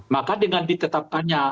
maka dengan ditetapkannya